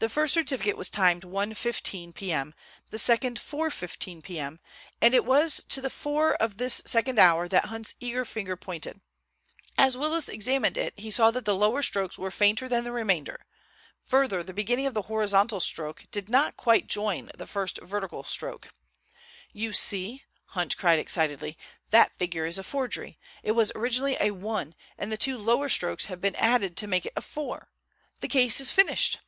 The first certificate was timed 1.15 p.m., the second 4.15 p.m., and it was to the 4 of this second hour that Hunt's eager finger pointed. As Willis examined it he saw that the lower strokes were fainter than the remainder. Further, the beginning of the horizontal stroke did not quite join the first vertical stroke. "You see?" Hunt cried excitedly. "That figure is a forgery. It was originally a 1, and the two lower strokes have been added to make it a 4. The case is finished!"